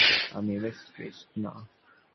আমি ওয়েট্রেস না।